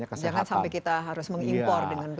jangan sampai kita harus mengimpor dengan baik